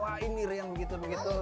ya wah ini yang begitu begitu